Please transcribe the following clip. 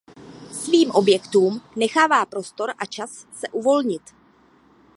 Svým objektům nechává prostor a čas se uvolnit.